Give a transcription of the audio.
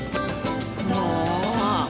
もう！